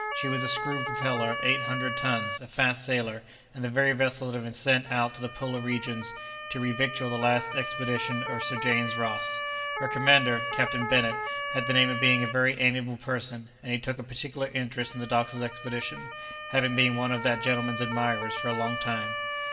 She was a screw propeller of eight hundred tons, a fast sailer, and the very vessel that had been sent out to the polar regions, to revictual the last expedition of Sir James Ross. Her commander, Captain Bennet, had the name of being a very amiable person, and he took a particular interest in the doctor's expedition, having been one of that gentleman's admirers for a long time.